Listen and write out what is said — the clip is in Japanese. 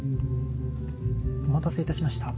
お待たせいたしました。